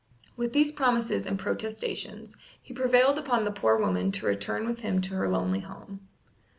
With these promises and protestations he prevailed upon the poor woman to return with him to her lonely home.